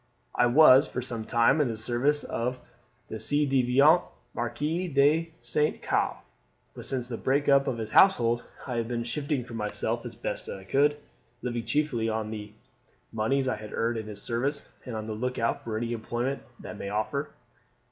I was for some time in the service of the ci devant Marquis de St. Caux; but since the break up of his household I have been shifting for myself as best I could, living chiefly on the moneys I had earned in his service, and on the look out for any employment that may offer."